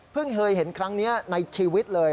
เคยเห็นครั้งนี้ในชีวิตเลย